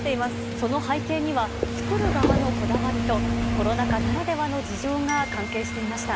その背景には、作る側のこだわりとコロナ禍ならではの事情が関係していました。